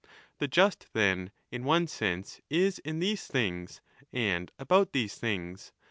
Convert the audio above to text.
The just, then, in one sense is in these things and about these things.